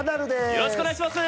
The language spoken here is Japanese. よろしくお願いします！